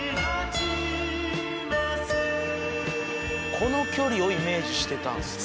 この距離をイメージしてたんですね。